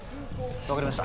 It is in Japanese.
分かりました。